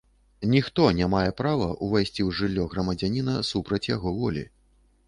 Ніхто не мае права ўвайсці ў жыллё грамадзяніна супраць яго волі.